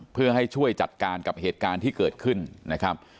เพื่อให้ช่วยจัดการกับเหตุการณ์ที่เกิดขึ้นนะครับ